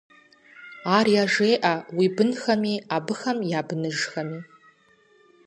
Ар яжеӀэ уи бынхэми, абыхэм я быныжхэми…